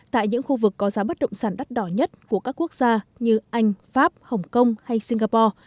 tại những khu vực có giá bất động sản đắt đỏ nhất của các quốc gia như anh pháp hồng kông hay singapore